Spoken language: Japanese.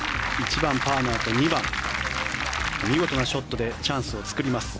１番、パーのあと２番、見事なショットでチャンスを作ります。